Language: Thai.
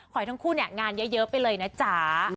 ขอให้ทั้งคู่เนี่ยงานเยอะไปเลยนะจ๊ะ